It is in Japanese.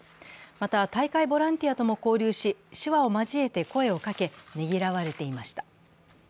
また大会ボランティアとも交流し手話を交えて声をかけねぎらわれていました。